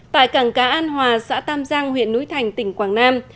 tại cảng cá an hòa xã tam giang huyện núi thành tỉnh quảng nam